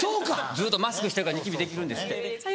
ずっとマスクしてるからニキビできるんですって。